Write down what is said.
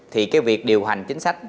thì cái việc điều hành chính sách